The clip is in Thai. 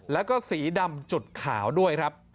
แล้วก็สีดำจุดขาวด้วยครับ